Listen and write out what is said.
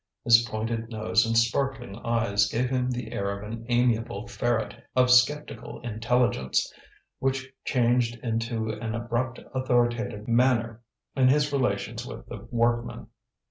His pointed nose and sparkling eyes gave him the air of an amiable ferret of sceptical intelligence, which changed into an abrupt authoritative manner in his relations with the workmen.